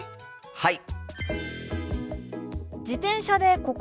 はい！